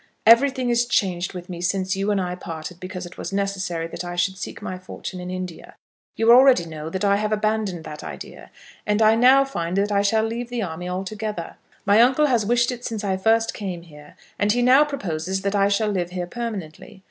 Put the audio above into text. Everything is changed with me since you and I parted because it was necessary that I should seek my fortune in India. You already know that I have abandoned that idea; and I now find that I shall leave the army altogether. My uncle has wished it since I first came here, and he now proposes that I shall live here permanently.